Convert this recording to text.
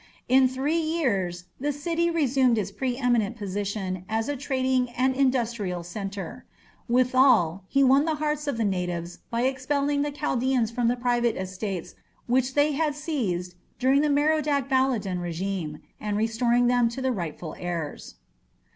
In three years the city resumed its pre eminent position as a trading and industrial centre. Withal, he won the hearts of the natives by expelling Chaldaeans from the private estates which they had seized during the Merodach Baladan regime, and restoring them to the rightful heirs.